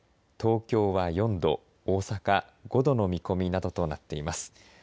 東京は４度大阪５度の見込みなどとなっています。